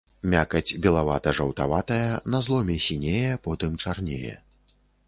Мякаць белавата-жаўтаватая, на зломе сінее, потым чарнее.